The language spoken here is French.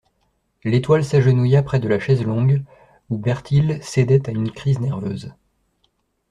L'étoile s'agenouilla près de la chaise longue, où Bertile cédait à une crise nerveuse.